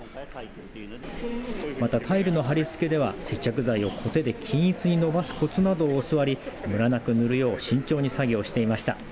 また、タイルの貼り付けでは接着剤をこてで均一に伸ばすこつなどを教わりむらなく塗るよう慎重に作業していました。